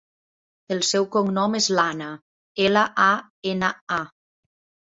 El seu cognom és Lana: ela, a, ena, a.